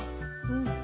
うん。